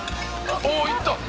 「おおいった！」